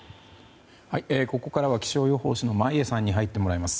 ここからは気象予報士の眞家さんに入ってもらいます。